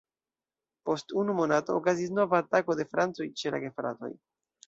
Post unu monato okazis nova atako de francoj ĉe la gefratoj.